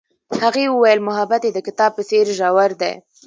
هغې وویل محبت یې د کتاب په څېر ژور دی.